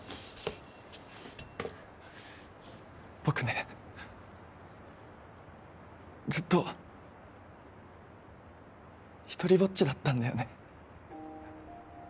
僕ねずっと独りぼっちだったんだよね。